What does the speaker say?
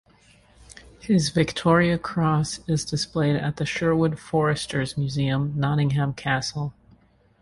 His Victoria Cross is displayed at the Sherwood Foresters Museum, Nottingham Castle.